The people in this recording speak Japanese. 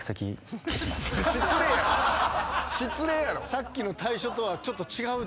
さっきの退所とはちょっと違うで。